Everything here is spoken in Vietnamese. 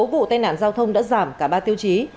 sáu vụ tai nạn giao thông đã giảm cả ba tiêu chí